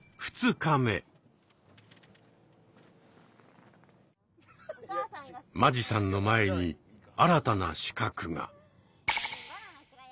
間地さんの前に新たな刺客が。